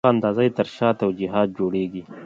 په هماغه اندازه یې تر شا توجیهات جوړېږي.